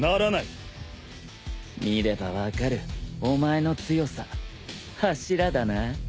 見れば分かるお前の強さ柱だな。